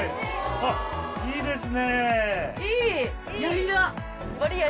あっいいですね。